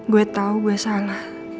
gue tahu gue salah